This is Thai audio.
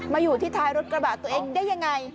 อยู่ที่ท้ายรถกระบาดตัวเองได้ยังไง